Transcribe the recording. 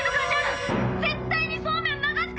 絶対にそうめん流すからね！」